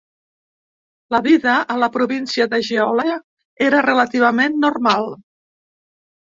La vida a la província de Jeolla era relativament normal.